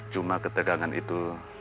cuma ketegangan itu